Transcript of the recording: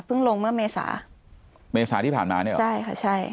เพิ่งลงเมื่อเมษาเมษาที่ผ่านมาเนี้ยอ่ะใช่ค่ะใช่